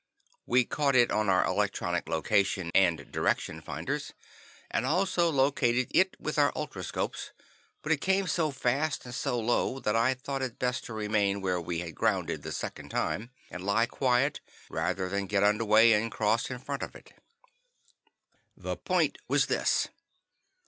We caught it on our electronic location and direction finders, and also located it with our ultroscopes, but it came so fast and so low that I thought it best to remain where we had grounded the second time, and lie quiet, rather than get under way and cross in front of it. The point was this.